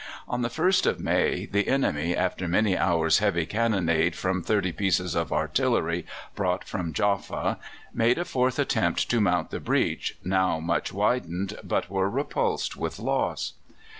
On the 1st of May the enemy, after many hours' heavy cannonade from thirty pieces of artillery brought from Jaffa, made a fourth attempt to mount the breach, now much widened, but were repulsed with loss.